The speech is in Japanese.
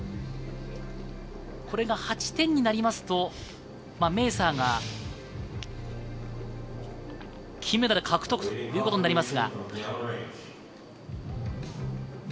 これが８点になりますと、メーサーが金メダル獲得ということになります。